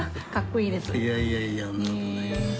いやいやいやそんな事ない。